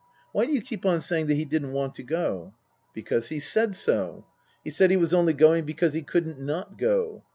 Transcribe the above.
" Why do you keep on saying that he didn't want to go ?"" Because he said so. He said he was only going because he couldn't not go."